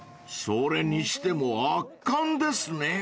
［それにしても圧巻ですね］